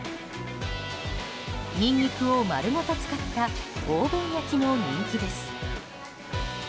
ニンニクを丸ごと使ったオーブン焼きも人気です。